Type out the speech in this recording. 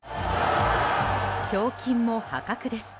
賞金も破格です。